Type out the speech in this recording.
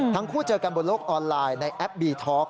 ทั้งคู่เจอกันบนโลกออนไลน์ในแอปบีท็อก